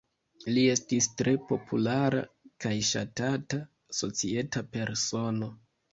Li estis tre populara kaj ŝatata societa persono.